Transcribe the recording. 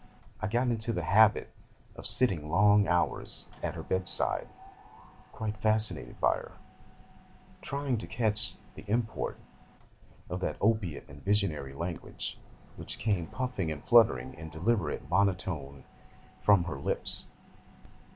I got into the habit of sitting long hours at her bed side, quite fascinated by her, trying to catch the import of that opiate and visionary language which came puffing and fluttering in deliberate monotone from her lips.